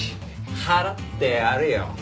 払ってやるよ。